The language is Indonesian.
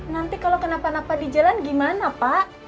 nanti kalau kenapa napa di jalan gimana pak